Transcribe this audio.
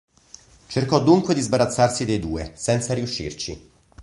Cercò dunque di sbarazzarsi dei due, senza riuscirci.